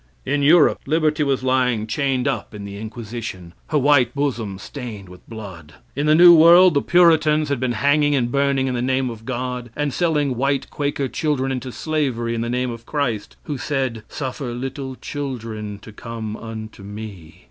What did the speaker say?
In Europe liberty was lying chained up in the inquisition, her white bosom stained with blood. In the new world the Puritans had been hanging and burning in the name of God, and selling white Quaker children into slavery in the name of Christ, who said, "Suffer little children to come unto Me."